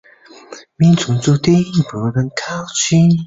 万历四十三年乡试中五十九名举人。